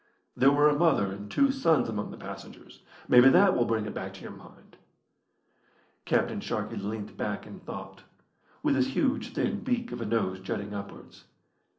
"There were a mother and two sons among the passengers. Maybe that will bring it back to your mind." Captain Sharkey leant back in thought, with his huge thin beak of a nose jutting upwards.